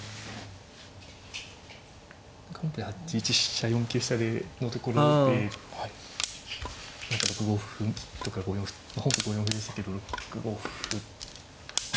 本譜で８一飛車４九飛車のところで６五歩とか５四歩本譜５四歩ですけど６五歩のような順を。